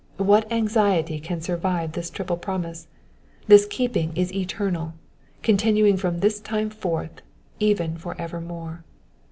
What anxiety can survive this triple promise ? This keeping is eternal ; continuing from this time forth, even for evermore.